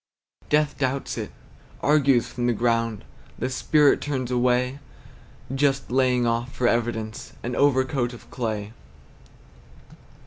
Death doubts it, argues from the ground. The Spirit turns away, Just laying off, for evidence, An overcoat of clay.